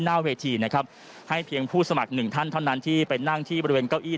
หน้าเวทีนะครับให้เพียงผู้สมัครหนึ่งท่านเท่านั้นที่ไปนั่งที่บริเวณเก้าอี้